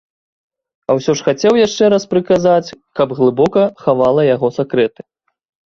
А ўсё ж хацеў яшчэ раз прыказаць, каб глыбока хавала яго сакрэты.